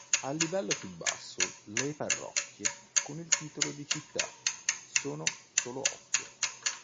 Al livello più basso, le parrocchie con titolo di città sono solo otto.